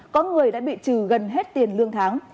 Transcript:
có người đã bị trừ gần hết tiền lương tháng